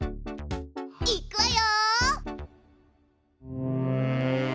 いっくわよ！